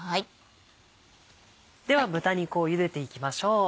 では豚肉をゆでていきましょう。